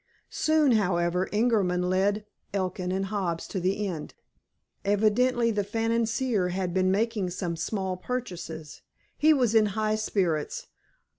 Soon, however, Ingerman led Elkin and Hobbs to the inn. Evidently, the "financier" had been making some small purchases. He was in high spirits.